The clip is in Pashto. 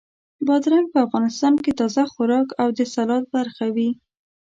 بادرنګ په افغانستان کې تازه خوراک او د سالاد برخه وي.